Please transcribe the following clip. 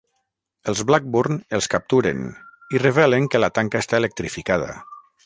Els Blackburn els capturen i revelen que la tanca està electrificada.